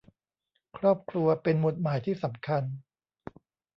ครอบครัวเป็นหมุดหมายที่สำคัญ